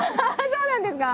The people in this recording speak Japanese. そうなんですか？